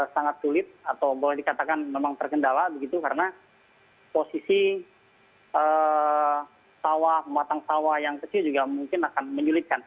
sangat sulit atau boleh dikatakan memang terkendala begitu karena posisi matang sawah yang kecil juga mungkin akan menyulitkan